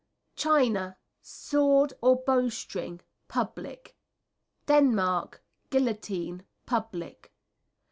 China Sword or bow string, public. Denmark Guillotine, public.